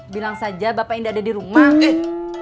bilang saja bapak tidak ada di rumah